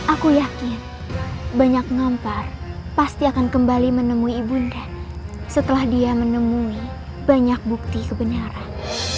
aku yakin banyak ngampar pasti akan kembali menemui ibunda setelah dia menemui banyak bukti kebenaran